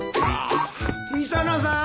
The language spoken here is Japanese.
・磯野さん！